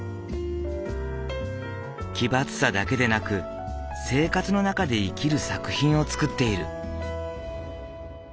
奇抜さだけでなく生活の中で生きる作品を作っている。